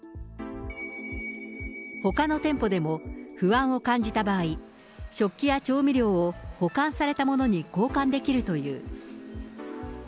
ほかの店舗でも、不安を感じた場合、食器や調味料を保管されたものに交換できるという。